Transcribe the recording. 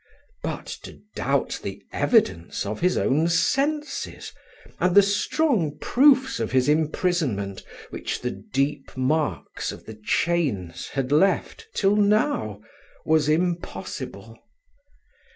But to doubt the evidence of his own senses, and the strong proofs of his imprisonment, which the deep marks of the chains had left till now, was impossible.